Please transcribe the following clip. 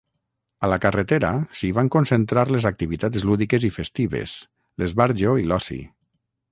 A la carretera s'hi van concentrar les activitats lúdiques i festives, l'esbarjo i l'oci.